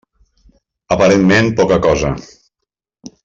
Aparentment poca cosa.